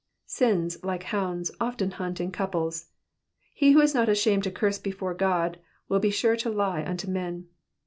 ''^ Sins, like hounds, often hunt in couples. He who is not ashamed to curse before God, will be sure to lie unto men.